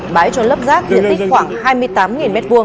bãi tròn lấp rác hiện tích khoảng hai mươi tám m hai